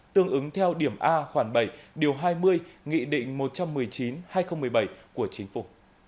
tương ứng theo điểm a khoảng bảy điều hai mươi nghị định một trăm một mươi chín hai nghìn một mươi bảy của chính phủ